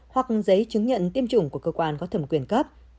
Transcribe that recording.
hoặc giấy chứng nhận tiêm chủng của cơ quan có thẩm quyền cấp